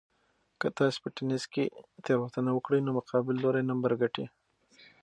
که تاسي په تېنس کې تېروتنه وکړئ نو مقابل لوری نمبر ګټي.